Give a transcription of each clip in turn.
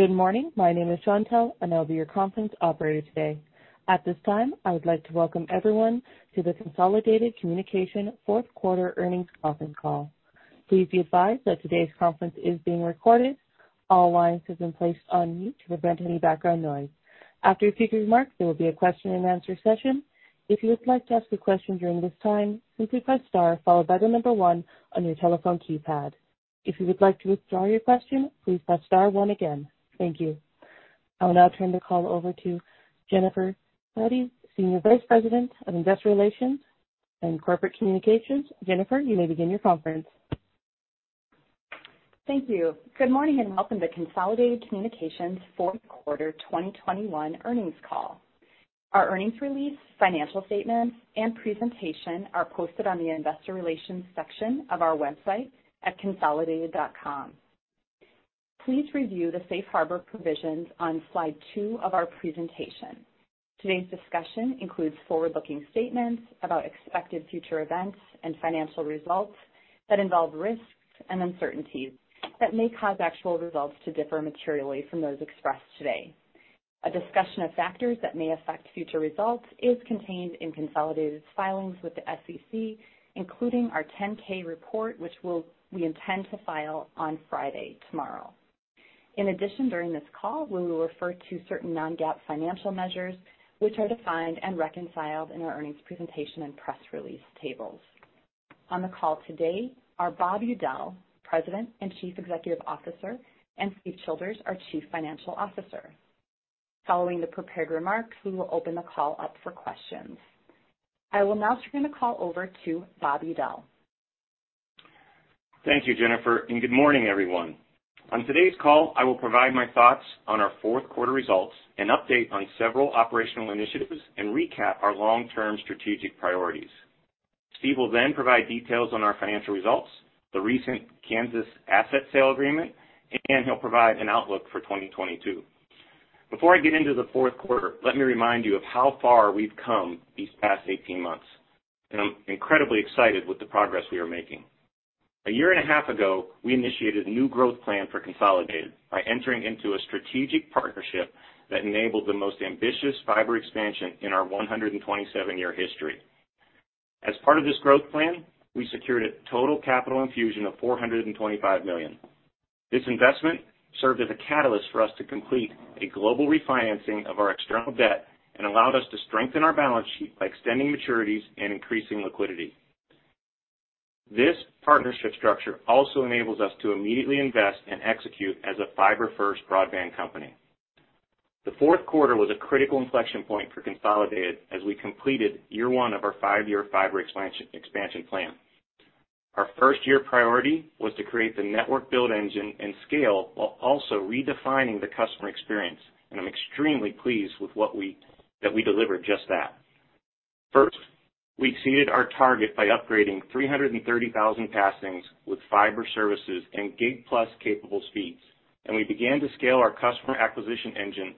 Good morning. My name is Chantelle, and I'll be your conference operator today. At this time, I would like to welcome everyone to the Consolidated Communications Q4 Earnings Conference Call. Please be advised that today's conference is being recorded. All lines have been placed on mute to prevent any background noise. After a few remarks, there will be a question and answer session. If you would like to ask a question during this time, simply press star followed by the number one on your telephone keypad. If you would like to withdraw your question, please press star one again. Thank you. I will now turn the call over to Jennifer Spaude, Senior Vice President of Investor Relations and Corporate Communications. Jennifer, you may begin your conference. Thank you. Good morning and welcome to Consolidated Communications fourth quarter 2021 earnings call. Our earnings release, financial statement, and presentation are posted on the investor relations section of our website at consolidated.com. Please review the safe harbor provisions on Slide 2 of our presentation. Today's discussion includes forward-looking statements about expected future events and financial results that involve risks and uncertainties that may cause actual results to differ materially from those expressed today. A discussion of factors that may affect future results is contained in Consolidated's filings with the SEC, including our 10-K report, which we intend to file on Friday, tomorrow. In addition, during this call, we will refer to certain non-GAAP financial measures which are defined and reconciled in our earnings presentation and press release tables. On the call today are Bob Udell, President and Chief Executive Officer, and Steve Childers, our Chief Financial Officer. Following the prepared remarks, we will open the call up for questions. I will now turn the call over to Bob Udell. Thank you, Jennifer, and good morning, everyone. On today's call, I will provide my thoughts on our fourth quarter results and update on several operational initiatives and recap our long-term strategic priorities. Steve will then provide details on our financial results, the recent Kansas asset sale agreement, and he'll provide an outlook for 2022. Before I get into the fourth quarter, let me remind you of how far we've come these past 18 months, and I'm incredibly excited with the progress we are making. A year and a half ago, we initiated a new growth plan for Consolidated by entering into a strategic partnership that enabled the most ambitious fiber expansion in our 127-year history. As part of this growth plan, we secured a total capital infusion of $425 million. This investment served as a catalyst for us to complete a global refinancing of our external debt and allowed us to strengthen our balance sheet by extending maturities and increasing liquidity. This partnership structure also enables us to immediately invest and execute as a fiber-first broadband company. The Q4 was a critical inflection point for Consolidated as we completed year one of our five-year fiber expansion plan. Our first year priority was to create the network build engine and scale, while also redefining the customer experience, and I'm extremely pleased with that we delivered just that. First, we exceeded our target by upgrading 330,000 passings with fiber services and gig plus capable speeds, and we began to scale our customer acquisition engine,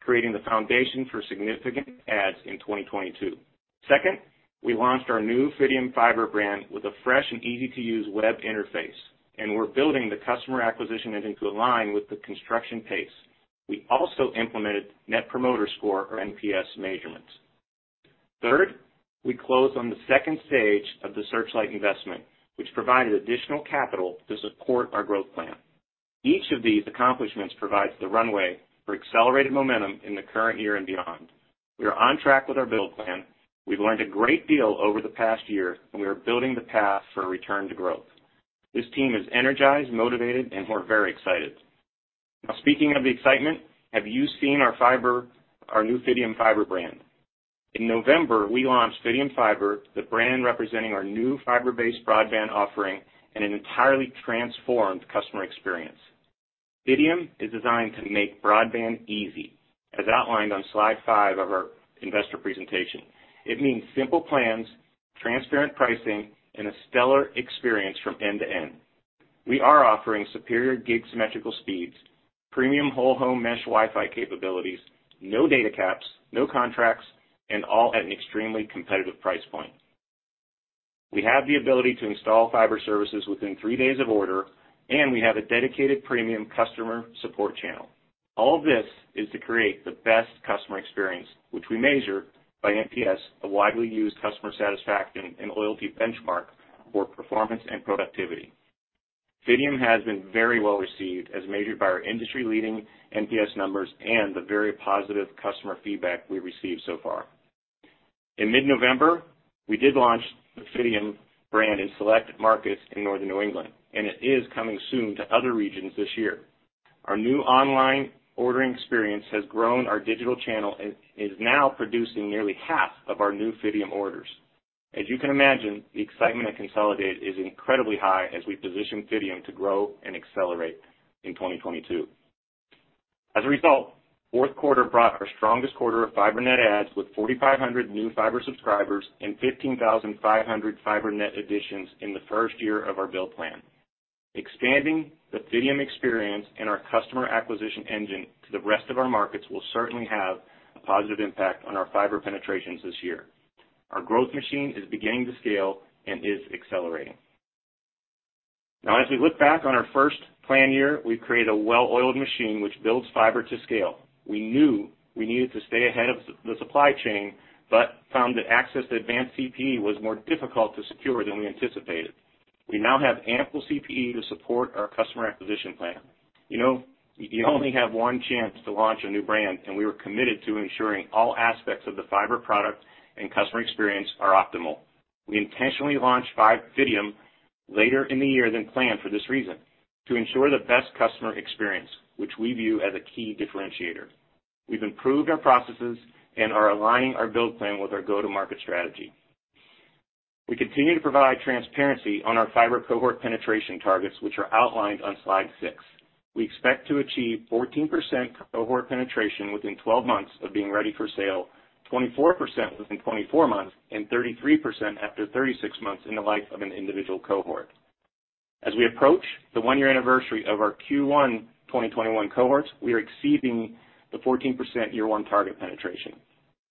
creating the foundation for significant adds in 2022. Second, we launched our new Fidium Fiber brand with a fresh and easy to use web interface, and we're building the customer acquisition engine to align with the construction pace. We also implemented Net Promoter Score or NPS measurements. Third, we closed on the second stage of the Searchlight investment, which provided additional capital to support our growth plan. Each of these accomplishments provides the runway for accelerated momentum in the current year and beyond. We are on track with our build plan. We've learned a great deal over the past year, and we are building the path for a return to growth. This team is energized, motivated, and we're very excited. Now, speaking of the excitement, have you seen our fiber, our new Fidium Fiber brand? In November, we launched Fidium Fiber, the brand representing our new fiber-based broadband offering and an entirely transformed customer experience. Fidium is designed to make broadband easy, as outlined on Slide 5 of our investor presentation. It means simple plans, transparent pricing, and a stellar experience from end to end. We are offering superior gig symmetrical speeds, premium whole home mesh Wi-Fi capabilities, no data caps, no contracts, and all at an extremely competitive price point. We have the ability to install fiber services within three days of order, and we have a dedicated premium customer support channel. All this is to create the best customer experience, which we measure by NPS, a widely used customer satisfaction and loyalty benchmark for performance and productivity. Fidium has been very well received as measured by our industry-leading NPS numbers and the very positive customer feedback we've received so far. In mid-November, we did launch the Fidium brand in select markets in northern New England, and it is coming soon to other regions this year. Our new online ordering experience has grown our digital channel and is now producing nearly half of our new Fidium orders. As you can imagine, the excitement at Consolidated is incredibly high as we position Fidium to grow and accelerate in 2022. As a result, fourth quarter brought our strongest quarter of fiber net adds with 4,500 new fiber subscribers and 15,500 fiber net additions in the first year of our build plan. Expanding the Fidium experience and our customer acquisition engine to the rest of our markets will certainly have a positive impact on our fiber penetrations this year. Our growth machine is beginning to scale and is accelerating. Now, as we look back on our first plan year, we've created a well-oiled machine which builds fiber to scale. We knew we needed to stay ahead of the supply chain, but found that access to advanced CPE was more difficult to secure than we anticipated. We now have ample CPE to support our customer acquisition plan. You know, you only have one chance to launch a new brand, and we were committed to ensuring all aspects of the fiber product and customer experience are optimal. We intentionally launched Fidium later in the year than planned for this reason, to ensure the best customer experience, which we view as a key differentiator. We've improved our processes and are aligning our build plan with our go-to-market strategy. We continue to provide transparency on our fiber cohort penetration targets, which are outlined on Slide 6. We expect to achieve 14% cohort penetration within 12 months of being ready for sale, 24% within 24 months, and 33% after 36 months in the life of an individual cohort. As we approach the one-year anniversary of our Q1 2021 cohorts, we are exceeding the 14% year-one target penetration.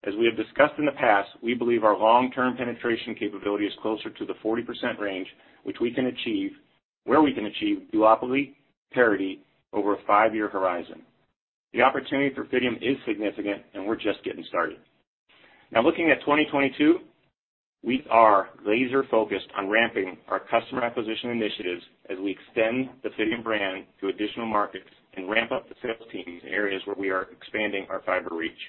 As we have discussed in the past, we believe our long-term penetration capability is closer to the 40% range, where we can achieve duopoly parity over a five-year horizon. The opportunity for Fidium is significant, and we're just getting started. Now looking at 2022, we are laser-focused on ramping our customer acquisition initiatives as we extend the Fidium brand to additional markets and ramp up the sales teams in areas where we are expanding our fiber reach.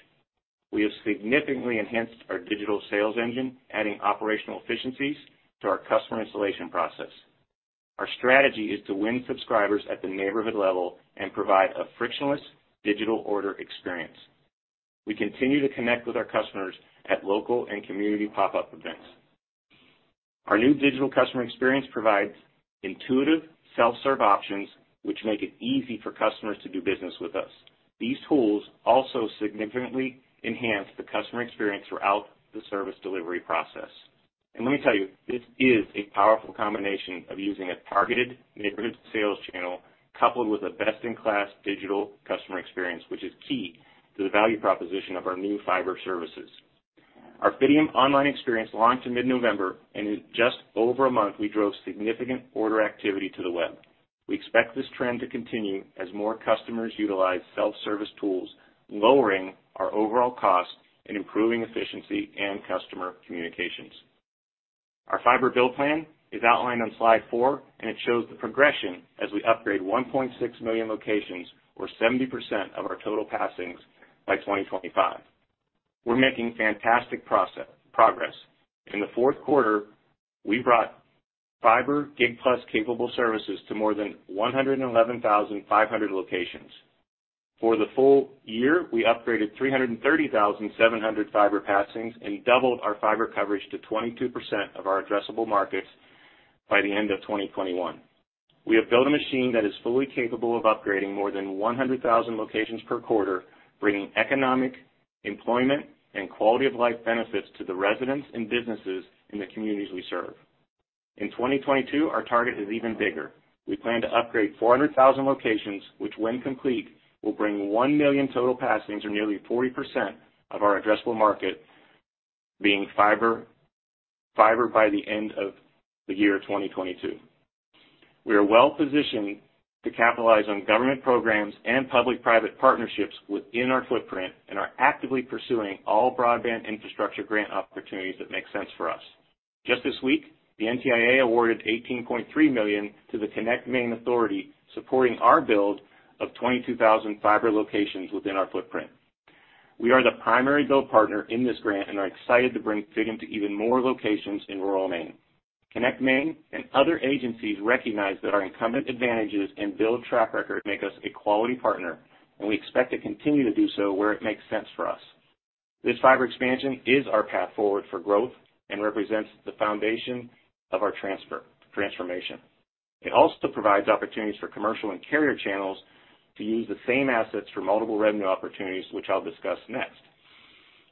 We have significantly enhanced our digital sales engine, adding operational efficiencies to our customer installation process. Our strategy is to win subscribers at the neighborhood level and provide a frictionless digital order experience. We continue to connect with our customers at local and community pop-up events. Our new digital customer experience provides intuitive self-serve options, which make it easy for customers to do business with us. These tools also significantly enhance the customer experience throughout the service delivery process. Let me tell you, this is a powerful combination of using a targeted neighborhood sales channel coupled with a best-in-class digital customer experience, which is key to the value proposition of our new fiber services. Our Fidium online experience launched in mid-November, and in just over a month, we drove significant order activity to the web. We expect this trend to continue as more customers utilize self-service tools, lowering our overall cost and improving efficiency and customer communications. Our fiber build plan is outlined on Slide 4, and it shows the progression as we upgrade 1.6 million locations or 70% of our total passings by 2025. We're making fantastic progress. In the fourth quarter, we brought fiber Gig+ capable services to more than 111,500 locations. For the full year, we upgraded 330,700 fiber passings and doubled our fiber coverage to 22% of our addressable markets by the end of 2021. We have built a machine that is fully capable of upgrading more than 100,000 locations per quarter, bringing economic, employment, and quality-of-life benefits to the residents and businesses in the communities we serve. In 2022, our target is even bigger. We plan to upgrade 400,000 locations, which when complete, will bring 1 million total passings or nearly 40% of our addressable market being fiber by the end of the year 2022. We are well-positioned to capitalize on government programs and public-private partnerships within our footprint and are actively pursuing all broadband infrastructure grant opportunities that make sense for us. Just this week, the NTIA awarded $18.3 million to the ConnectMaine Authority, supporting our build of 22,000 fiber locations within our footprint. We are the primary build partner in this grant and are excited to bring Fidium to even more locations in rural Maine. ConnectMaine and other agencies recognize that our incumbent advantages and build track record make us a quality partner, and we expect to continue to do so where it makes sense for us. This fiber expansion is our path forward for growth and represents the foundation of our transformation. It also provides opportunities for commercial and carrier channels to use the same assets for multiple revenue opportunities, which I'll discuss next.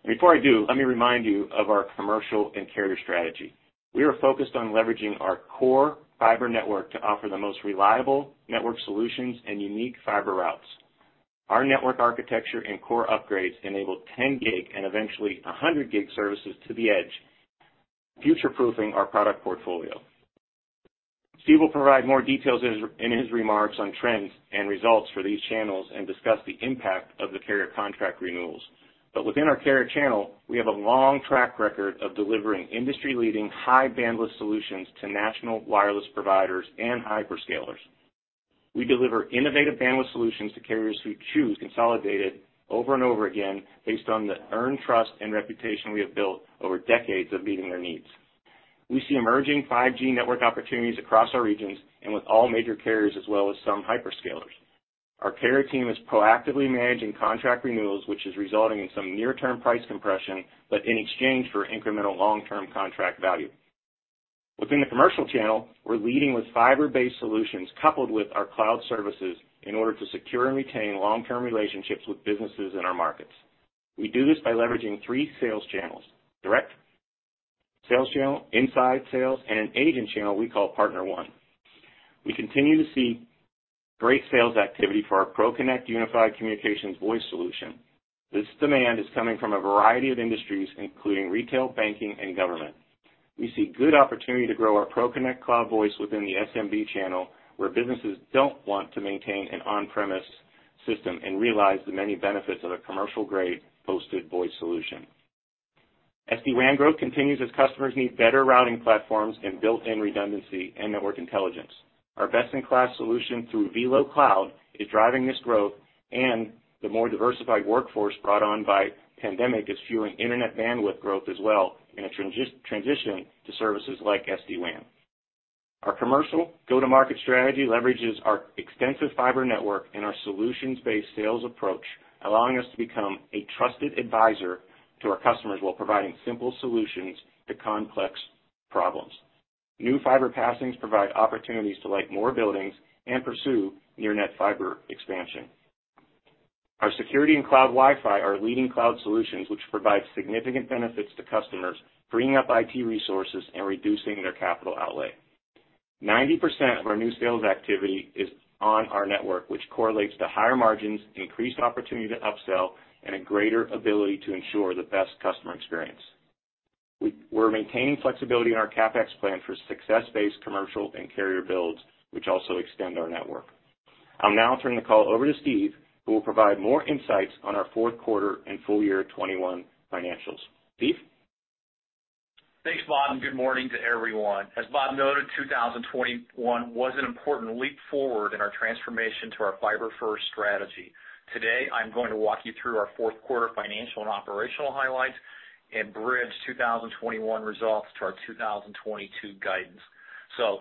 Before I do, let me remind you of our commercial and carrier strategy. We are focused on leveraging our core fiber network to offer the most reliable network solutions and unique fiber routes. Our network architecture and core upgrades enable 10 Gig and eventually 100 Gig services to the edge, future-proofing our product portfolio. Steve will provide more details in his remarks on trends and results for these channels and discuss the impact of the carrier contract renewals. Within our carrier channel, we have a long track record of delivering industry-leading, high-bandwidth solutions to national wireless providers and hyperscalers. We deliver innovative bandwidth solutions to carriers who choose Consolidated over and over again based on the earned trust and reputation we have built over decades of meeting their needs. We see emerging 5G network opportunities across our regions and with all major carriers, as well as some hyperscalers. Our carrier team is proactively managing contract renewals, which is resulting in some near-term price compression, but in exchange for incremental long-term contract value. Within the commercial channel, we're leading with fiber-based solutions coupled with our cloud services in order to secure and retain long-term relationships with businesses in our markets. We do this by leveraging three sales channels, direct sales channel, inside sales, and an agent channel we call Partner ONE. We continue to see great sales activity for our ProConnect Unified Communications Voice solution. This demand is coming from a variety of industries, including retail, banking, and government. We see good opportunity to grow our ProConnect Cloud Voice within the SMB channel, where businesses don't want to maintain an on-premise system and realize the many benefits of a commercial-grade hosted voice solution. SD-WAN growth continues as customers need better routing platforms and built-in redundancy and network intelligence. Our best-in-class solution through VeloCloud is driving this growth, and the more diversified workforce brought on by pandemic is fueling internet bandwidth growth as well, and a transition to services like SD-WAN. Our commercial go-to-market strategy leverages our extensive fiber network and our solutions-based sales approach, allowing us to become a trusted advisor to our customers while providing simple solutions to complex problems. New fiber passings provide opportunities to light more buildings and pursue near net fiber expansion. Our security and cloud Wi-Fi are leading cloud solutions, which provide significant benefits to customers, freeing up IT resources and reducing their capital outlay. 90% of our new sales activity is on our network, which correlates to higher margins, increased opportunity to upsell, and a greater ability to ensure the best customer experience. We're maintaining flexibility in our CapEx plan for success-based commercial and carrier builds, which also extend our network. I'll now turn the call over to Steve, who will provide more insights on our fourth quarter and full year 2021 financials. Steve? Thanks, Bob, and good morning to everyone. As Bob noted, 2021 was an important leap forward in our transformation to our fiber-first strategy. Today, I'm going to walk you through our fourth quarter financial and operational highlights and bridge 2021 results to our 2022 guidance.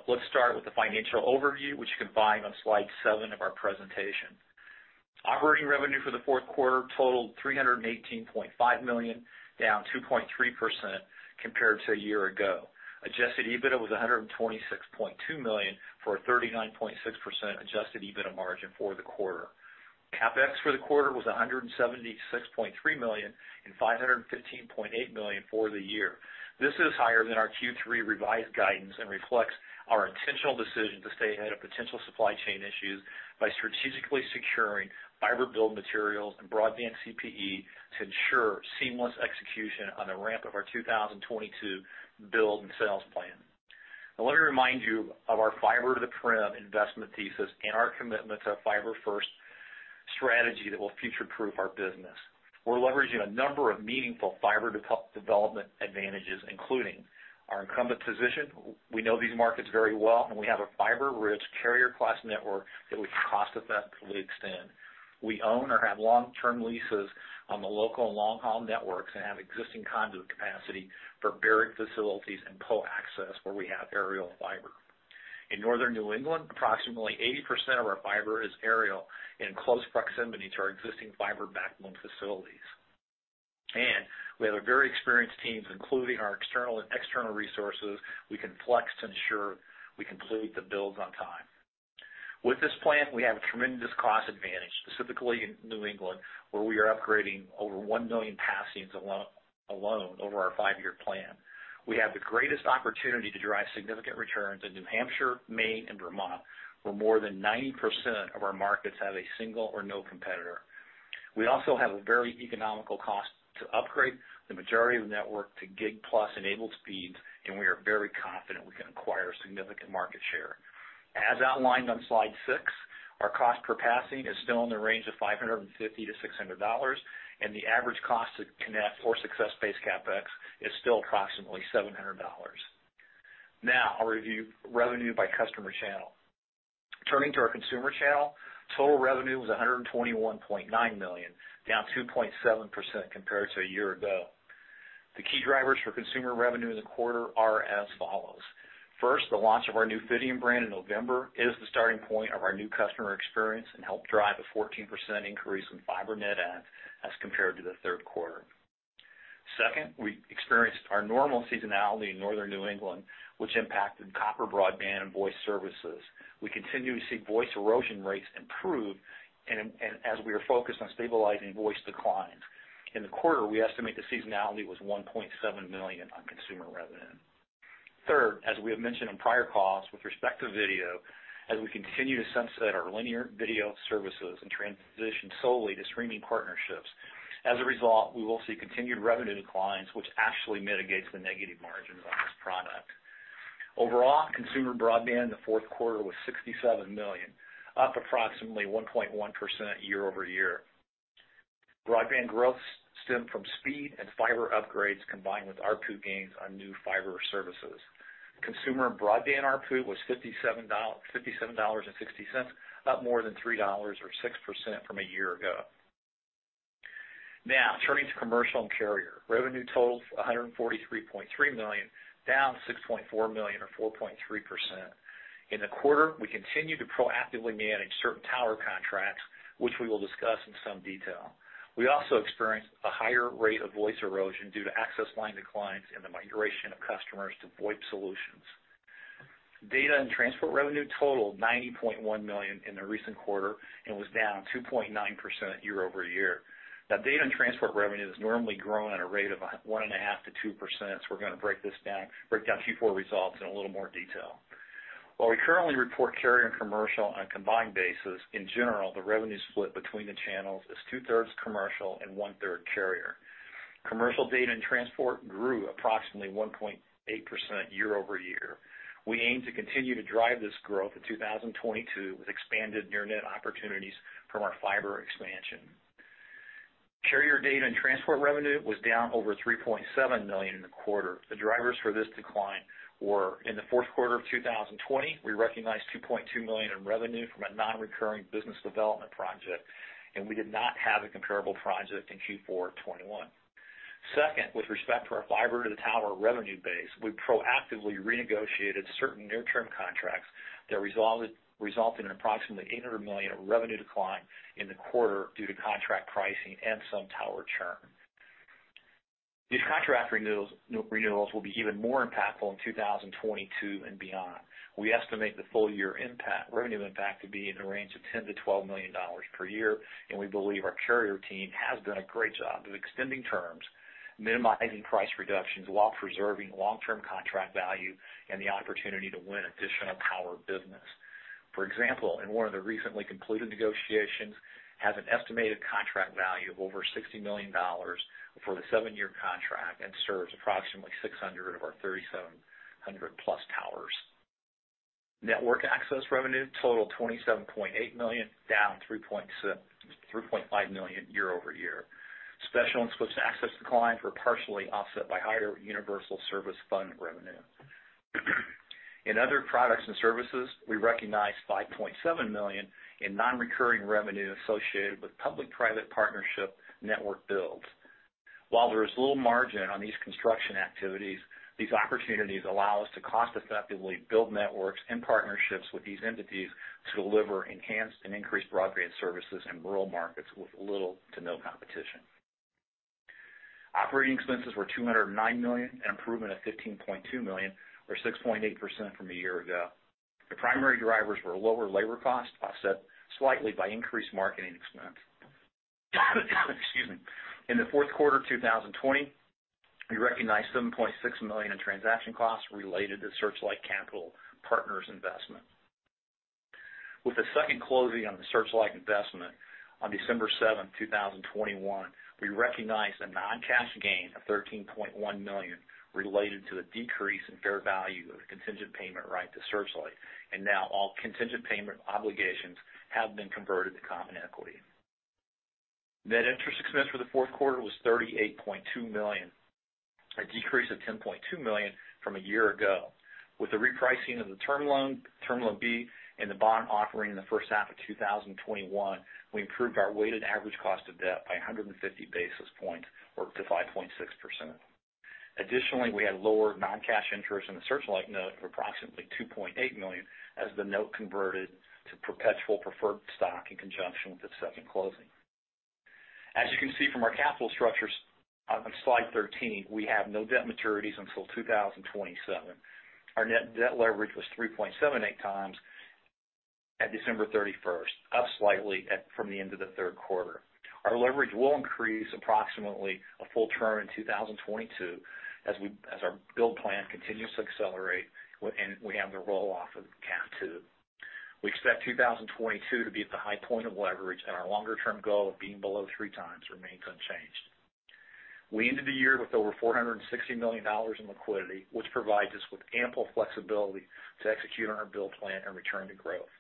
Let's start with the financial overview, which you can find on Slide 7 of our presentation. Operating revenue for the Q4 totaled $318.5 million, down 2.3% compared to a year ago. Adjusted EBITDA was $126.2 million, for a 39.6% Adjusted EBITDA margin for the quarter. CapEx for the quarter was $176.3 million and $515.8 million for the year. This is higher than our Q3 revised guidance and reflects our intentional decision to stay ahead of potential supply chain issues by strategically securing fiber build materials and broadband CPE to ensure seamless execution on the ramp of our 2022 build and sales plan. Now let me remind you of our fiber to the premises investment thesis and our commitment to a fiber-first strategy that will future-proof our business. We're leveraging a number of meaningful fiber development advantages, including our incumbent position. We know these markets very well, and we have a fiber-rich carrier class network that we can cost effectively extend. We own or have long-term leases on the local and long-haul networks and have existing conduit capacity for buried facilities and pole access where we have aerial fiber. In Northern New England, approximately 80% of our fiber is aerial in close proximity to our existing fiber backbone facilities. We have a very experienced teams, including our external resources we can flex to ensure we complete the builds on time. With this plan, we have a tremendous cost advantage, specifically in New England, where we are upgrading over 1 million passings alone over our five-year plan. We have the greatest opportunity to drive significant returns in New Hampshire, Maine, and Vermont, where more than 90% of our markets have a single or no competitor. We also have a very economical cost to upgrade the majority of the network to gig plus enabled speeds, and we are very confident we can acquire significant market share. As outlined on Slide 6, our cost per passing is still in the range of $550-$600, and the average cost to connect for success-based CapEx is still approximately $700. Now, I'll review revenue by customer channel. Turning to our consumer channel, total revenue was $121.9 million, down 2.7% compared to a year ago. The key drivers for consumer revenue in the quarter are as follows. First, the launch of our new Fidium brand in November is the starting point of our new customer experience and helped drive a 14% increase in fiber net adds as compared to the third quarter. Second, we experienced our normal seasonality in northern New England, which impacted copper broadband and voice services. We continue to see voice erosion rates improve and as we are focused on stabilizing voice declines. In the quarter, we estimate the seasonality was $1.7 million on consumer revenue. Third, as we have mentioned on prior calls with respect to video, as we continue to sunset our linear video services and transition solely to streaming partnerships, as a result, we will see continued revenue declines, which actually mitigates the negative margins on this product. Overall, consumer broadband in the fourth quarter was $67 million, up approximately 1.1% year-over-year. Broadband growth stemmed from speed and fiber upgrades combined with ARPU gains on new fiber services. Consumer broadband ARPU was $57.60, up more than $3 or 6% from a year ago. Now, turning to commercial and carrier. Revenue totals $143.3 million, down $6.4 million or 4.3%. In the quarter, we continued to proactively manage certain tower contracts, which we will discuss in some detail. We also experienced a higher rate of voice erosion due to access line declines and the migration of customers to VoIP solutions. Data and transport revenue totaled $90.1 million in the recent quarter and was down 2.9% year-over-year. Now, data and transport revenue has normally grown at a rate of 1.5%-2%, so we're gonna break this down, Q4 results in a little more detail. While we currently report carrier and commercial on a combined basis, in general, the revenue split between the channels is 2/3 commercial and 1/3 carrier. Commercial data and transport grew approximately 1.8% year-over-year. We aim to continue to drive this growth in 2022 with expanded near net opportunities from our fiber expansion. Carrier data and transport revenue was down over $3.7 million in the quarter. The drivers for this decline were, in the fourth quarter of 2020, we recognized $2.2 million in revenue from a non-recurring business development project, and we did not have a comparable project in Q4 2021. Second, with respect to our fiber to the tower revenue base, we proactively renegotiated certain near-term contracts that resulted in approximately $800 million of revenue decline in the quarter due to contract pricing and some tower churn. These contract renewals will be even more impactful in 2022 and beyond. We estimate the full-year impact, revenue impact to be in the range of $10-$12 million per year, and we believe our carrier team has done a great job of extending terms, minimizing price reductions while preserving long-term contract value and the opportunity to win additional tower business. For example, in one of the recently concluded negotiations, has an estimated contract value of over $60 million for the seven-year contract and serves approximately 600 of our 3,700+ towers. Network access revenue totaled $27.8 million, down $3.5 million year-over-year. Special and switched access declines were partially offset by higher universal service fund revenue. In other products and services, we recognized $5.7 million in non-recurring revenue associated with public-private partnership network builds. While there is little margin on these construction activities, these opportunities allow us to cost effectively build networks and partnerships with these entities to deliver enhanced and increased broadband services in rural markets with little to no competition. Operating expenses were $209 million, an improvement of $15.2 million, or 6.8% from a year ago. The primary drivers were lower labor costs, offset slightly by increased marketing expense. Excuse me. In the fourth quarter of 2020, we recognized $7.6 million in transaction costs related to Searchlight Capital Partners investment. With the second closing on the Searchlight investment on December 7th, 2021, we recognized a non-cash gain of $13.1 million related to the decrease in fair value of the contingent payment right to Searchlight, and now all contingent payment obligations have been converted to common equity. Net interest expense for the fourth quarter was $38.2 million, a decrease of $10.2 million from a year ago. With the repricing of the term loan, Term Loan B, and the bond offering in the first half of 2021, we improved our weighted average cost of debt by 150 basis points or up to 5.6%. Additionally, we had lower non-cash interest in the Searchlight note of approximately $2.8 million as the note converted to perpetual preferred stock in conjunction with its second closing. As you can see from our capital structures on slide 13, we have no debt maturities until 2027. Our net debt leverage was 3.78x at December 31st, up slightly from the end of the Q3. Our leverage will increase approximately a full turn in 2022 as our build plan continues to accelerate and we have the roll off of CAF II. We expect 2022 to be at the high point of leverage, and our longer-term goal of being below three times remains unchanged. We ended the year with over $460 million in liquidity, which provides us with ample flexibility to execute on our build plan and return to growth.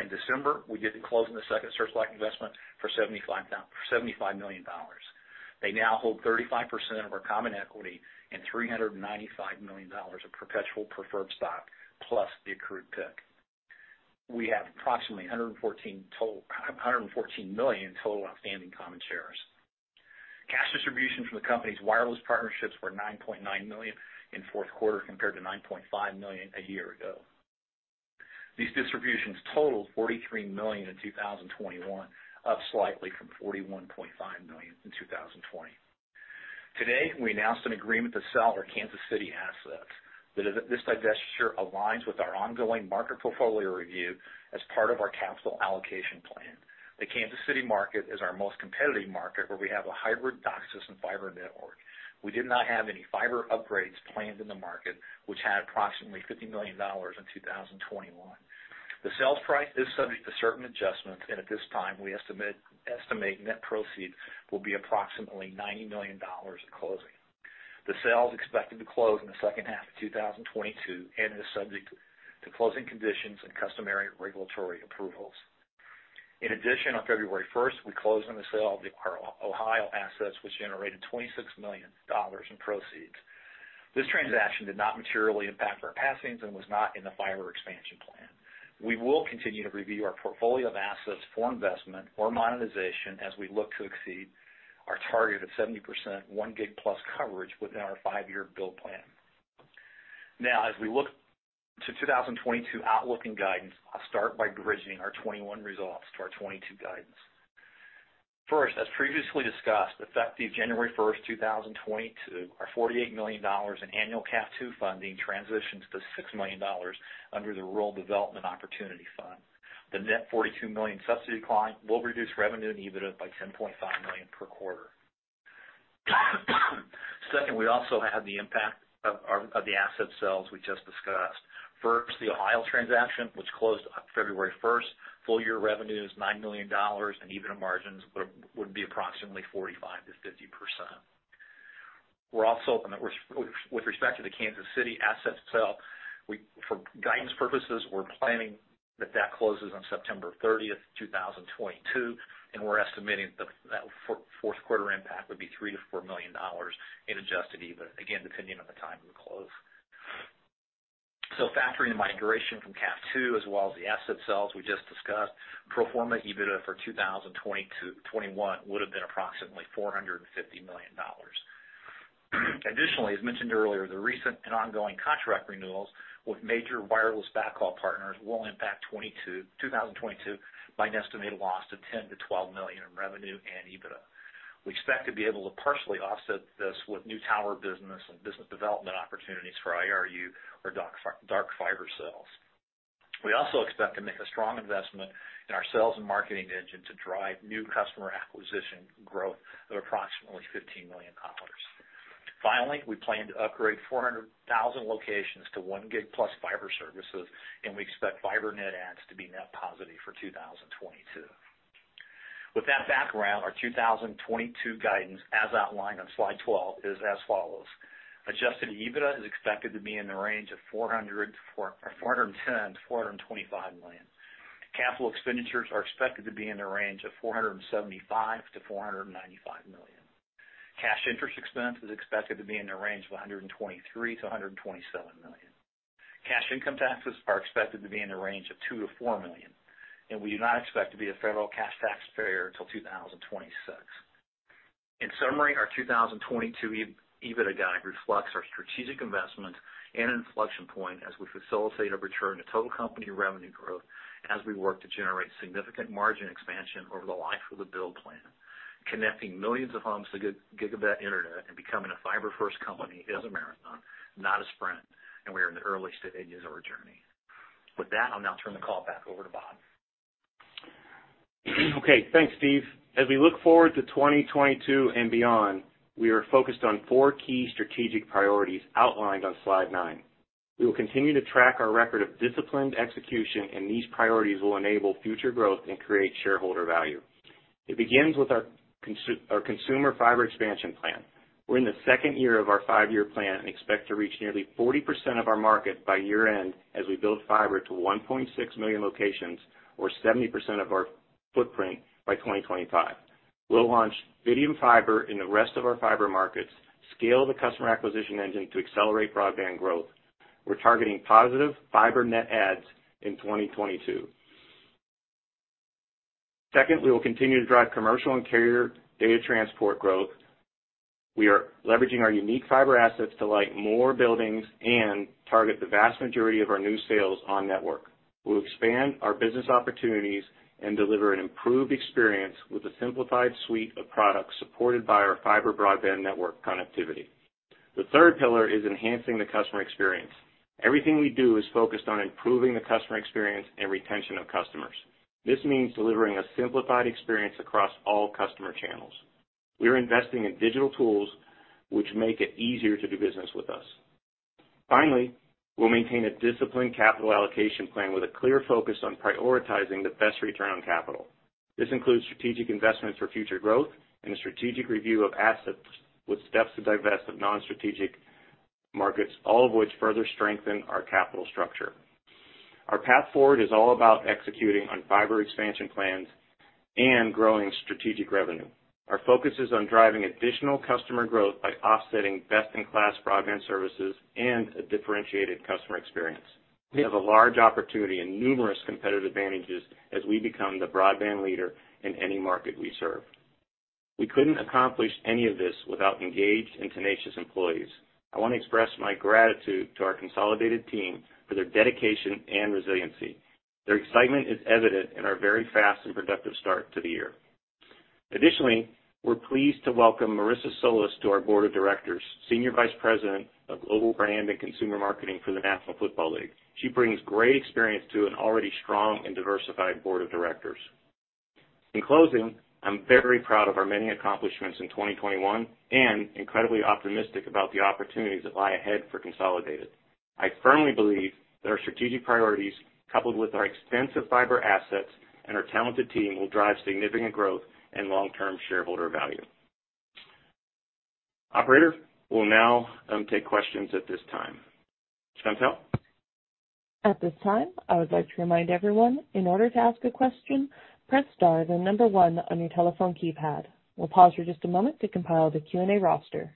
In December, we did the closing the second Searchlight investment for $75 million. They now hold 35% of our common equity and $395 million of perpetual preferred stock plus the accrued PIK. We have approximately 114 million in total outstanding common shares. Cash distributions from the company's wireless partnerships were $9.9 million in Q4 compared to $9.5 million a year ago. These distributions totaled $43 million in 2021, up slightly from $41.5 million in 2020. Today, we announced an agreement to sell our Kansas City assets. This divestiture aligns with our ongoing market portfolio review as part of our capital allocation plan. The Kansas City market is our most competitive market where we have a hybrid DOCSIS and fiber network. We did not have any fiber upgrades planned in the market, which had approximately $50 million in 2021. The sales price is subject to certain adjustments, and at this time, we estimate net proceeds will be approximately $90 million at closing. The sale is expected to close in the second half of 2022 and is subject to closing conditions and customary regulatory approvals. In addition, on February 1st, we closed on the sale of our Ohio assets, which generated $26 million in proceeds. This transaction did not materially impact our passings and was not in the fiber expansion plan. We will continue to review our portfolio of assets for investment or monetization as we look to exceed our target of 70% 1+ gig coverage within our five-year build plan. Now, as we look to 2022 outlook and guidance, I'll start by bridging our 2021 results to our 2022 guidance. First, as previously discussed, effective January 1st, 2022, our $48 million in annual CAF II funding transitions to $6 million under the Rural Digital Opportunity Fund. The net $42 million subsidy decline will reduce revenue and EBITDA by $10.5 million per quarter. Second, we also have the impact of our asset sales we just discussed. First, the Ohio transaction, which closed February 1st, full year revenue is $9 million and EBITDA margins would be approximately 45%-50%. With respect to the Kansas City asset sale, for guidance purposes, we're planning that closes on September 30th, 2022, and we're estimating that fourth quarter impact would be $3 million-$4 million in Adjusted EBITDA, again, depending on the time of the close. Factoring the migration from CAF II, as well as the asset sales we just discussed, pro forma EBITDA for 2021 would have been approximately $450 million. Additionally, as mentioned earlier, the recent and ongoing contract renewals with major wireless backhaul partners will impact 2022 by an estimated loss of $10 million-$12 million in revenue and EBITDA. We expect to be able to partially offset this with new tower business and business development opportunities for IRU or dark fiber sales. We also expect to make a strong investment in our sales and marketing engine to drive new customer acquisition growth of approximately $15 million. Finally, we plan to upgrade 400,000 locations to 1 gig plus fiber services, and we expect fiber net adds to be net positive for 2022. With that background, our 2022 guidance, as outlined on Slide 12, is as follows. Adjusted EBITDA is expected to be in the range of $410 million-$425 million. Capital expenditures are expected to be in the range of $475 million-$495 million. Cash interest expense is expected to be in the range of $123 million-$127 million. Cash income taxes are expected to be in the range of $2 million-$4 million, and we do not expect to be a federal cash taxpayer till 2026. In summary, our 2022 EBITDA guide reflects our strategic investment and inflection point as we facilitate a return to total company revenue growth as we work to generate significant margin expansion over the life of the build plan. Connecting millions of homes to gigabit internet and becoming a fiber first company is a marathon, not a sprint, and we are in the earliest stages of our journey. With that, I'll now turn the call back over to Bob. Okay. Thanks, Steve. As we look forward to 2022 and beyond, we are focused on four key strategic priorities outlined on Slide 9. We will continue to track our record of disciplined execution, and these priorities will enable future growth and create shareholder value. It begins with our consumer fiber expansion plan. We're in the second year of our five-year plan and expect to reach nearly 40% of our market by year-end as we build fiber to 1.6 million locations or 70% of our footprint by 2025. We'll launch Fidium Fiber in the rest of our fiber markets, scale the customer acquisition engine to accelerate broadband growth. We're targeting positive fiber net adds in 2022. Second, we will continue to drive commercial and carrier data transport growth. We are leveraging our unique fiber assets to light more buildings and target the vast majority of our new sales on network. We'll expand our business opportunities and deliver an improved experience with a simplified suite of products supported by our fiber broadband network connectivity. The third pillar is enhancing the customer experience. Everything we do is focused on improving the customer experience and retention of customers. This means delivering a simplified experience across all customer channels. We are investing in digital tools which make it easier to do business with us. Finally, we'll maintain a disciplined capital allocation plan with a clear focus on prioritizing the best return on capital. This includes strategic investments for future growth and a strategic review of assets with steps to divest of non-strategic markets, all of which further strengthen our capital structure. Our path forward is all about executing on fiber expansion plans and growing strategic revenue. Our focus is on driving additional customer growth by offering best in class broadband services and a differentiated customer experience. We have a large opportunity and numerous competitive advantages as we become the broadband leader in any market we serve. We couldn't accomplish any of this without engaged and tenacious employees. I want to express my gratitude to our Consolidated team for their dedication and resiliency. Their excitement is evident in our very fast and productive start to the year. Additionally, we're pleased to welcome Marissa Solis to our board of directors, Senior Vice President of Global Brand and Consumer Marketing for the National Football League. She brings great experience to an already strong and diversified board of directors. In closing, I'm very proud of our many accomplishments in 2021 and incredibly optimistic about the opportunities that lie ahead for Consolidated. I firmly believe that our strategic priorities, coupled with our extensive fiber assets and our talented team, will drive significant growth and long-term shareholder value. Operator, we'll now take questions at this time. Chantelle? At this time, I would like to remind everyone, in order to ask a question, press star then number one on your telephone keypad. We'll pause for just a moment to compile the Q&A roster.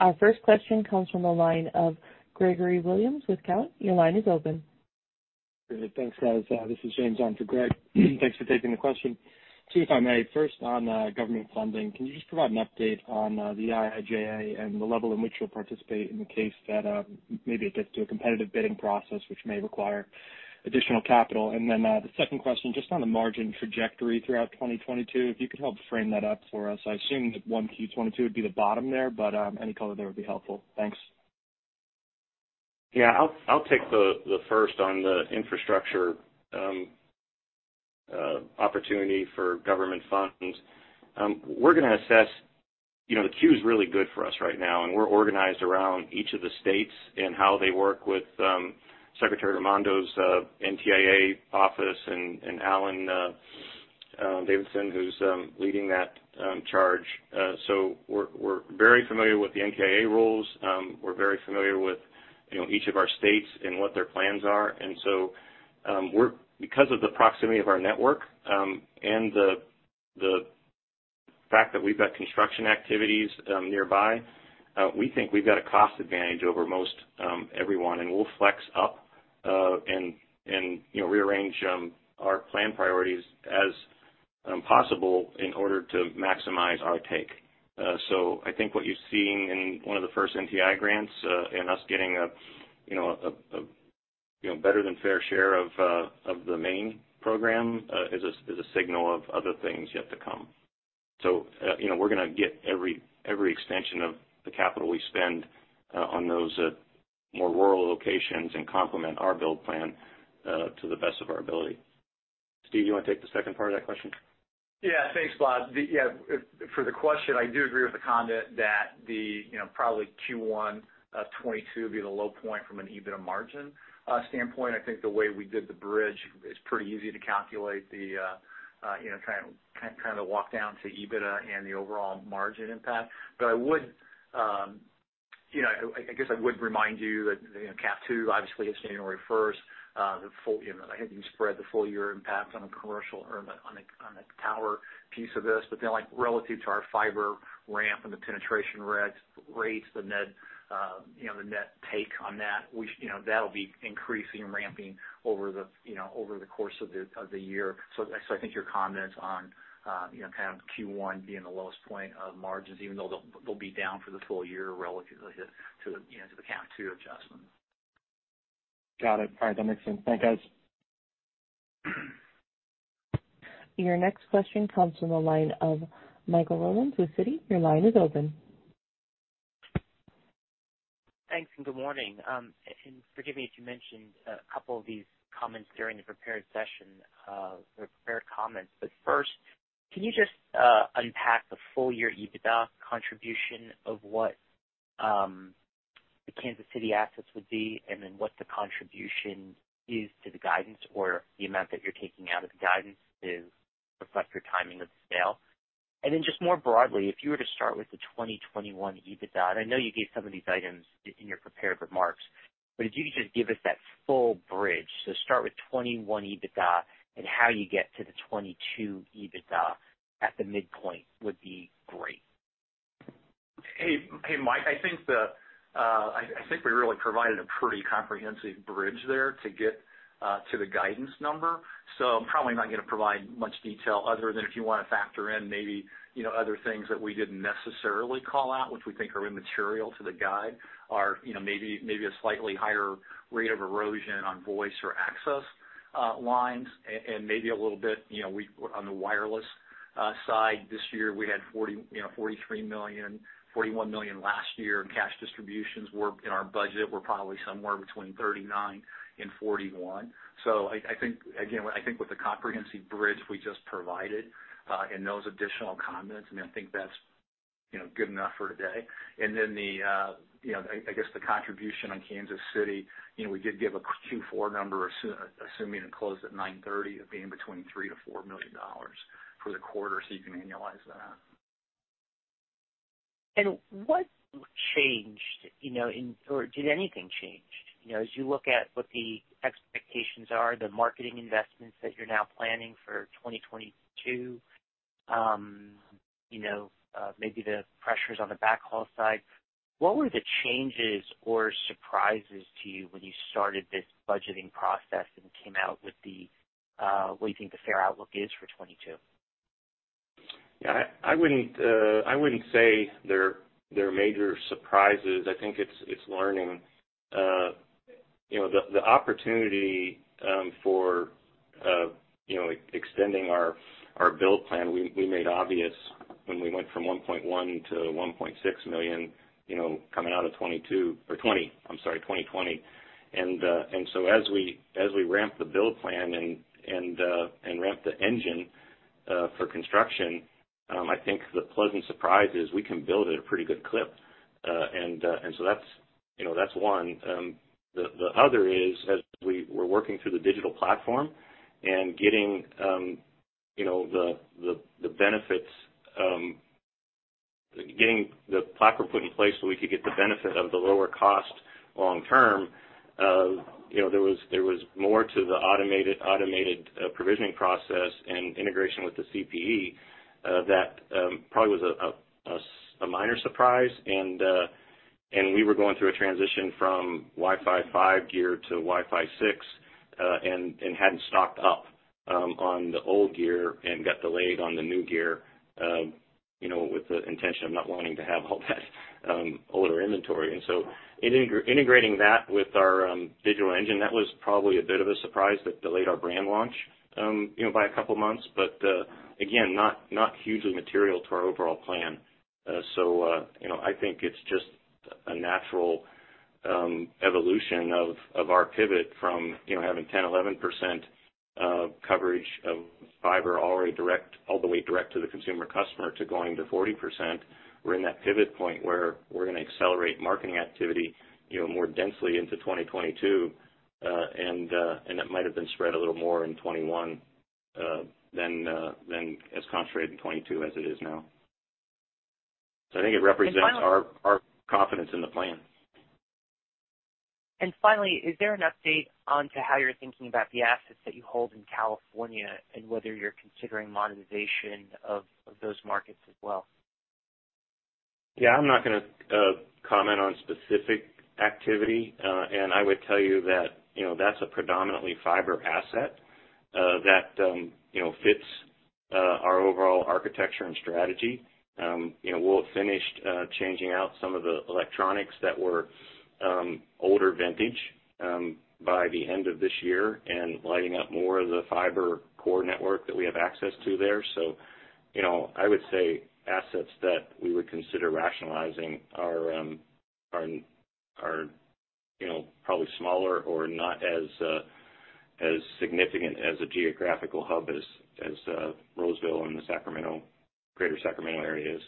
Our first question comes from the line of Gregory Williams with Cowen. Your line is open. Great. Thanks, guys. This is James on for Greg. Thanks for taking the question. Steve, if I may, first on government funding. Can you just provide an update on the IIJA and the level in which you'll participate in the case that maybe it gets to a competitive bidding process which may require additional capital? The second question, just on the margin trajectory throughout 2022, if you could help frame that up for us. I assume that 1Q 2022 would be the bottom there, but any color there would be helpful. Thanks. Yeah, I'll take the first on the infrastructure opportunity for government funds. We're gonna assess, you know, the queue's really good for us right now, and we're organized around each of the states and how they work with Secretary Raimondo's NTIA office and Alan Davidson, who's leading that charge. We're very familiar with the NTIA rules. We're very familiar with, you know, each of our states and what their plans are because of the proximity of our network and the fact that we've got construction activities nearby, we think we've got a cost advantage over most everyone, and we'll flex up and, you know, rearrange our plan priorities as possible in order to maximize our take. I think what you've seen in one of the first NTIA grants, and us getting a, you know, better than fair share of the Maine program, is a signal of other things yet to come. You know, we're gonna get every extension of the capital we spend on those more rural locations and complement our build plan to the best of our ability. Steve, you wanna take the second part of that question? Yeah, thanks, Bob. For the question, I do agree with the comment that you know probably Q1 of 2022 will be the low point from an EBITDA margin standpoint. I think the way we did the bridge is pretty easy to calculate you know kind of walk down to EBITDA and the overall margin impact. I would you know I guess I would remind you that you know CAF II obviously is January 1st. You know, I think you spread the full year impact on a commercial or on a tower piece of this, but then like relative to our fiber ramp and the penetration rates, the net take on that, you know, that'll be increasing and ramping over the course of the year. So I think your comments on, you know, kind of Q1 being the lowest point of margins, even though they'll be down for the full year relatively to the CAF II adjustment. Got it. All right. That makes sense. Thanks, guys. Your next question comes from the line of Michael Rollins with Citi. Your line is open. Thanks, and good morning. Forgive me if you mentioned a couple of these comments during the prepared session, or prepared comments. First, can you just unpack the full year EBITDA contribution of what, the Kansas City assets would be, and then what the contribution is to the guidance or the amount that you're taking out of the guidance to reflect your timing of the sale? Just more broadly, if you were to start with the 2021 EBITDA, and I know you gave some of these items in your prepared remarks, but if you could just give us that full bridge. Start with 2021 EBITDA and how you get to the 2022 EBITDA at the midpoint would be great. Hey, hey, Mike. I think we really provided a pretty comprehensive bridge there to get to the guidance number. I'm probably not gonna provide much detail other than if you wanna factor in maybe, you know, other things that we didn't necessarily call out, which we think are immaterial to the guide, you know, maybe a slightly higher rate of erosion on voice or access lines and maybe a little bit, you know, on the wireless side this year, we had $43 million this year, $41 million last year in cash distributions. In our budget, we're probably somewhere between $39 million and $41 million. I think, again, I think with the comprehensive bridge we just provided and those additional comments, I mean, I think that's, you know, good enough for today. You know, I guess the contribution on Kansas City, you know, we did give a Q4 number assuming it closed at 9/30 of being between $3 million-$4 million for the quarter, so you can annualize that. What changed, you know, or did anything change? You know, as you look at what the expectations are, the marketing investments that you're now planning for 2022, maybe the pressures on the backhaul side. What were the changes or surprises to you when you started this budgeting process and came out with what you think the fair outlook is for 2022? Yeah, I wouldn't say there are major surprises. I think it's learning. You know, the opportunity for you know, extending our build plan, we made obvious when we went from 1.1-1.6 million, you know, coming out of 2022 or 2020, I'm sorry, 2020. So as we ramp the build plan and ramp the engine for construction, I think the pleasant surprise is we can build at a pretty good clip. That's you know, that's one. The other is as we're working through the digital platform and getting you know, the benefits, getting the platform put in place so we could get the benefit of the lower cost long term. You know, there was more to the automated provisioning process and integration with the CPE that probably was a minor surprise. We were going through a transition from Wi-Fi 5 gear to Wi-Fi 6 and hadn't stocked up on the old gear and got delayed on the new gear, you know, with the intention of not wanting to have all that older inventory. Integrating that with our digital engine, that was probably a bit of a surprise that delayed our brand launch, you know, by a couple of months. again, not hugely material to our overall plan. You know, I think it's just a natural evolution of our pivot from, you know, having 10%, 11% coverage of fiber already direct all the way direct to the consumer customer to going to 40%. We're in that pivot point where we're gonna accelerate marketing activity, you know, more densely into 2022. It might have been spread a little more in 2021 than as concentrated in 2022 as it is now. I think it represents our confidence in the plan. Finally, is there an update on how you're thinking about the assets that you hold in California and whether you're considering monetization of those markets as well? Yeah, I'm not gonna comment on specific activity. I would tell you that, you know, that's a predominantly fiber asset that, you know, fits our overall architecture and strategy. You know, we'll have finished changing out some of the electronics that were older vintage by the end of this year and lighting up more of the fiber core network that we have access to there. You know, I would say assets that we would consider rationalizing are, you know, probably smaller or not as significant as a geographical hub as Roseville and the Greater Sacramento area is.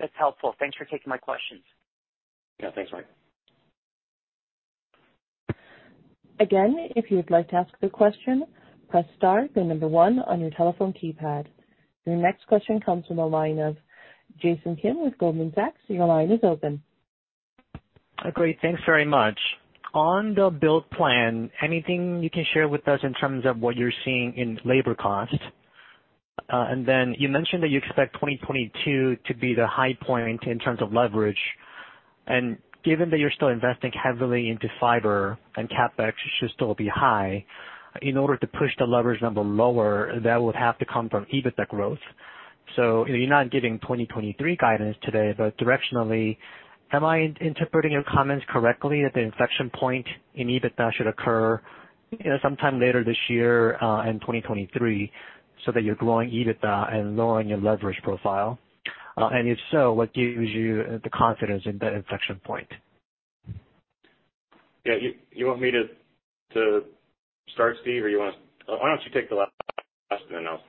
That's helpful. Thanks for taking my questions. Yeah, thanks, Mike. Again, if you would like to ask a question, press star then number one on your telephone keypad. Your next question comes from the line of Jason Kim with Goldman Sachs. Your line is open. Great. Thanks very much. On the build plan, anything you can share with us in terms of what you're seeing in labor costs? You mentioned that you expect 2022 to be the high point in terms of leverage. Given that you're still investing heavily into fiber and CapEx should still be high, in order to push the leverage number lower, that would have to come from EBITDA growth. You're not giving 2023 guidance today, but directionally, am I interpreting your comments correctly that the inflection point in EBITDA should occur, you know, sometime later this year in 2023, so that you're growing EBITDA and lowering your leverage profile? If so, what gives you the confidence in the inflection point? Yeah, you want me to start, Steve, or you wanna. Why don't you take the last then I'll.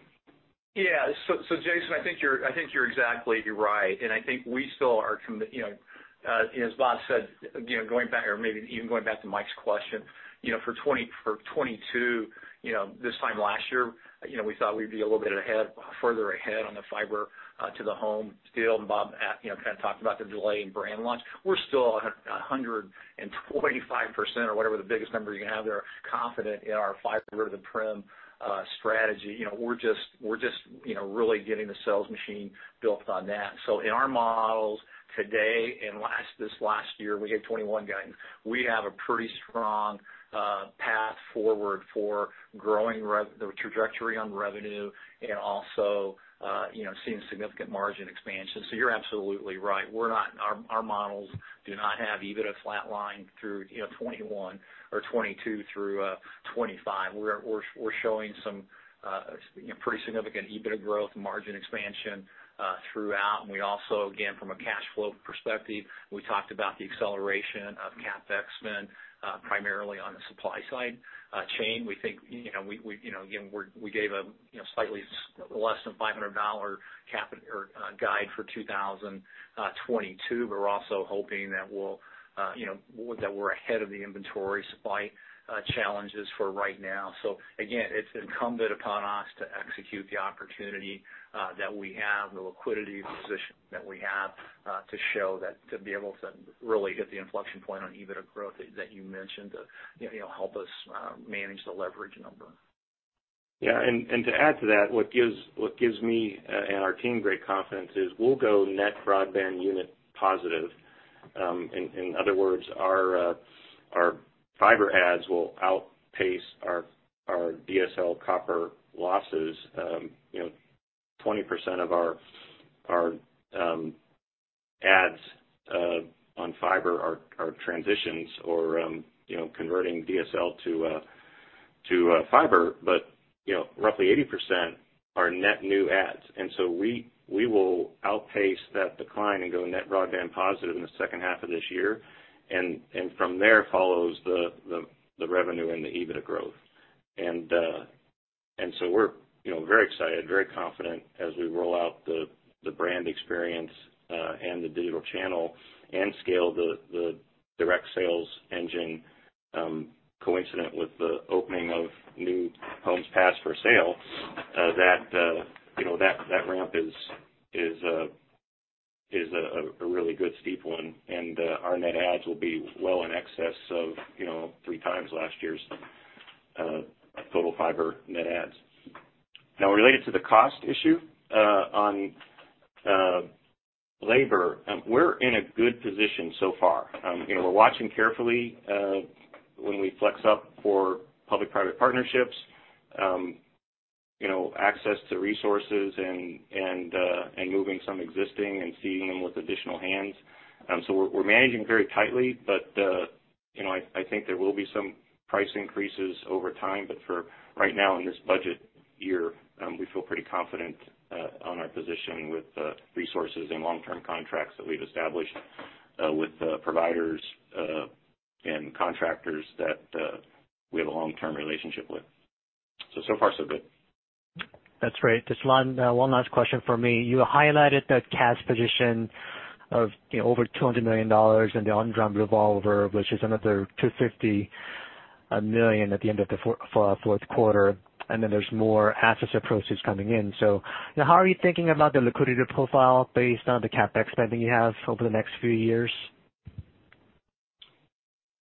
Jason, I think you're exactly right. I think we still are, you know, as Bob said, you know, going back or maybe even going back to Mike's question, you know, for 2022, you know, this time last year, you know, we thought we'd be a little bit further ahead on the fiber to the home deal. Bob, you know, kind of talked about the delay in brand launch. We're still 125% or whatever the biggest number you can have there confident in our fiber to the premise strategy. You know, we're just, you know, really getting the sales machine built on that. In our models today and last, this last year, we gave 2021 guidance, we have a pretty strong path forward for growing the trajectory on revenue and also, you know, seeing significant margin expansion. You're absolutely right. We're not. Our models do not have EBITDA flatline through, you know, 2021 or 2022 through 2025. We're showing some, you know, pretty significant EBITDA growth and margin expansion throughout. We also, again, from a cash flow perspective, we talked about the acceleration of CapEx spend primarily on the supply chain. We think, you know, we gave a, you know, slightly less than $500 CapEx guide for 2022. We're also hoping that we'll, you know, that we're ahead of the inventory supply challenges for right now. Again, it's incumbent upon us to execute the opportunity that we have, the liquidity position that we have, to show that, to be able to really hit the inflection point on EBITDA growth that you mentioned to, you know, help us manage the leverage number. Yeah. To add to that, what gives me and our team great confidence is we'll go net broadband unit positive. In other words, our fiber adds will outpace our DSL copper losses. You know, 20% of our adds on fiber are transitions or, you know, converting DSL to fiber, but you know, roughly 80% are net new adds. We will outpace that decline and go net broadband positive in the second half of this year. From there follows the revenue and the EBITDA growth. We're, you know, very excited, very confident as we roll out the brand experience and the digital channel and scale the direct sales engine, coincident with the opening of new homes passed for sale, that, you know, that ramp is a really good steep one, and our net adds will be well in excess of, you know, three times last year's total fiber net adds. Now, related to the cost issue on labor, we're in a good position so far. You know, we're watching carefully when we flex up for public-private partnerships, you know, access to resources and moving some hands. We're managing very tightly, but you know, I think there will be some price increases over time, but for right now, in this budget year, we feel pretty confident on our positioning with resources and long-term contracts that we've established with the providers and contractors that we have a long-term relationship with. So far, so good. That's great. Just one last question for me. You highlighted the cash position of, you know, over $200 million and the undrawn revolver, which is another $250 million at the end of—for our fourth quarter, and then there's more asset purchases coming in. You know, how are you thinking about the liquidity profile based on the CapEx spending you have over the next few years?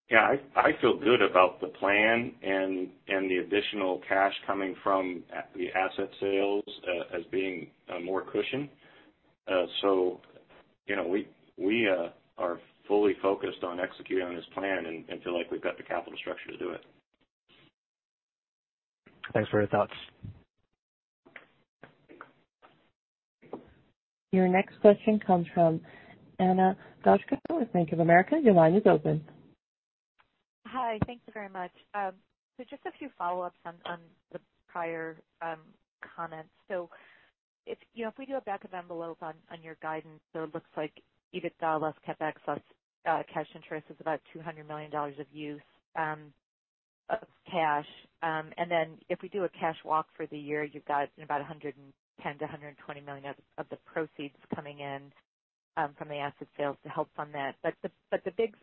Yeah, I feel good about the plan and the additional cash coming from the asset sales as being more cushion. You know, we are fully focused on executing on this plan and feel like we've got the capital structure to do it. Thanks for your thoughts. Your next question comes from Anastasiya Goshko with Bank of America. Your line is open. Hi. Thank you very much. Just a few follow-ups on the prior comments. If we do a back-of-the-envelope on your guidance, it looks like EBITDA less CapEx plus cash interest is about $200 million of use of cash. If we do a cash walk for the year, you've got about $110 million-$120 million of the proceeds coming in from the asset sales to help fund that. The big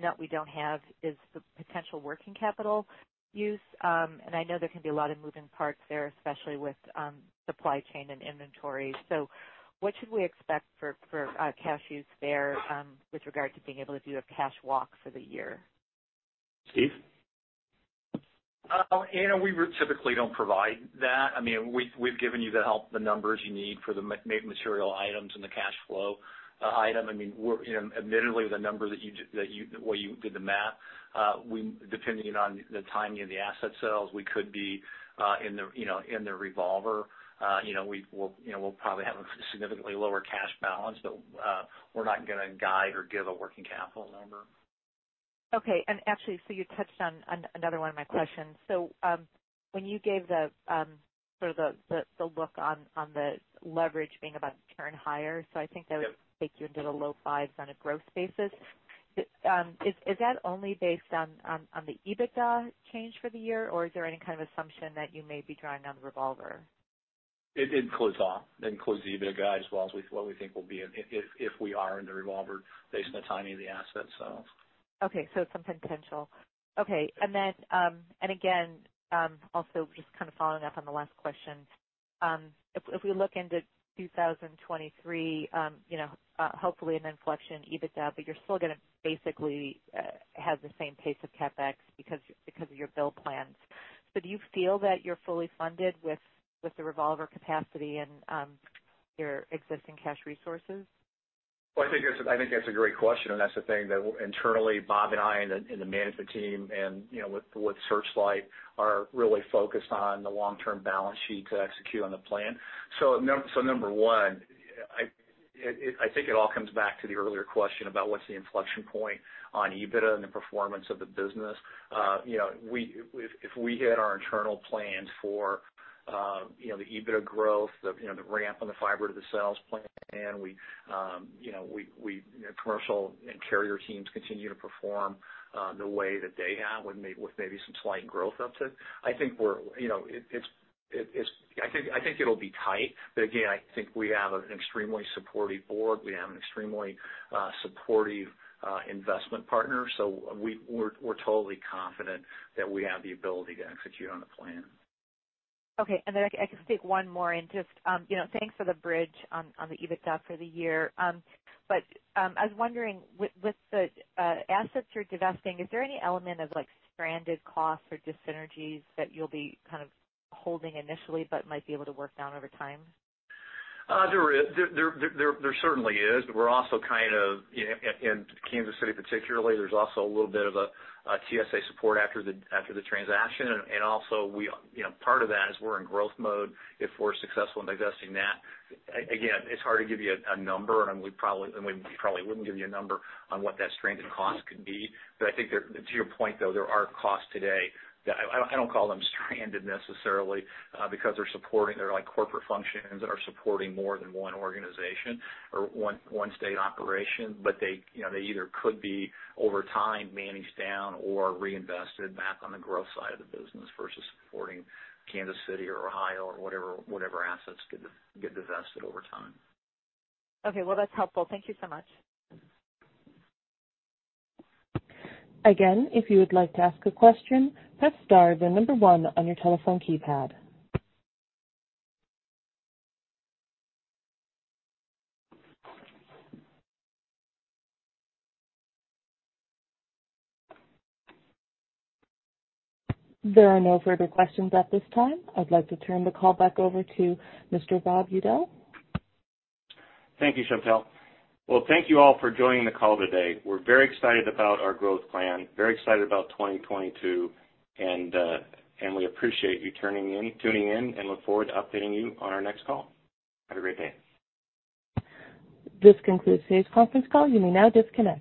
note we don't have is the potential working capital use. I know there can be a lot of moving parts there, especially with supply chain and inventory. What should we expect for cash use there with regard to being able to do a cash walk for the year? Steve? Anna, we typically don't provide that. I mean, we've given you the help, the numbers you need for the made material items and the cash flow item. I mean, you know, admittedly the number that you, the way you did the math, depending on the timing of the asset sales, we could be in the, you know, in the revolver. You know, we'll probably have a significantly lower cash balance, but we're not gonna guide or give a working capital number. Okay. Actually, you touched on another one of my questions. When you gave the sort of look on the leverage being about to turn higher, so I think that would Yep. Take you into the low fives on a growth basis. Is that only based on the EBITDA change for the year, or is there any kind of assumption that you may be drawing on the revolver? It includes all. It includes the EBITDA as well as what we think will be if we are in the revolver based on the timing of the asset sales. Some potential. Then, again, also just kind of following up on the last question, if we look into 2023, you know, hopefully an inflection in EBITDA, but you're still gonna basically have the same pace of CapEx because of your build plans. Do you feel that you're fully funded with the revolver capacity and your existing cash resources? I think that's a great question, and that's the thing that internally Bob and I and the management team and, you know, with Searchlight are really focused on the long-term balance sheet to execute on the plan. Number one, I think it all comes back to the earlier question about what's the inflection point on EBITDA and the performance of the business. You know, if we hit our internal plans for, you know, the EBITDA growth, the, you know, the ramp on the fiber to the sales plan, we, you know, we, commercial and carrier teams continue to perform the way that they have with maybe some slight growth up to. I think we're, you know, it's. I think it'll be tight, but again, I think we have an extremely supportive board. We have an extremely supportive investment partner, so we're totally confident that we have the ability to execute on the plan. Okay. I can sneak one more in just, you know, thanks for the bridge on the EBITDA for the year. I was wondering with the assets you're divesting, is there any element of like stranded costs or dyssynergies that you'll be kind of holding initially but might be able to work down over time? There certainly is. We're also kind of in Kansas City particularly, there's also a little bit of a TSA support after the transaction. Also we, you know, part of that is we're in growth mode. If we're successful in divesting that, it's hard to give you a number, and we probably wouldn't give you a number on what that stranded cost could be. I think there, to your point, though, there are costs today that I don't call them stranded necessarily, because they're supporting, they're like corporate functions that are supporting more than one organization or one state operation, but they, you know, they either could be over time managed down or reinvested back on the growth side of the business versus supporting Kansas City or Ohio or whatever assets get divested over time. Okay. Well, that's helpful. Thank you so much. Again, if you would like to ask a question, press star then one on your telephone keypad. There are no further questions at this time. I'd like to turn the call back over to Mr. Bob Udell. Thank you, Chantelle. Well, thank you all for joining the call today. We're very excited about our growth plan, very excited about 2022, and we appreciate you tuning in and look forward to updating you on our next call. Have a great day. This concludes today's conference call. You may now disconnect.